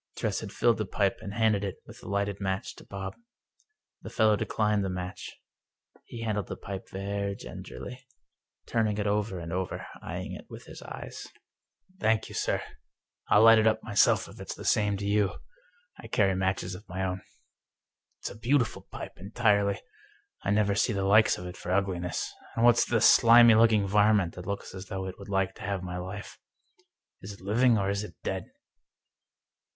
Tress had filled the pipe, and handed it, with a lighted match, to Bob. The fellow declined the match. He handled the pipe very gingerly, turning it over and over, eying it with all his eyes. " Thank you, sir — I'll light up myself if it's the same to you. I carry matches of my own. It's a beautiful pipe, entirely. I never see the like of it for ugliness. And what's the slimy looking varmint that looks as though it would like to have my life ? Is it living, or is it dead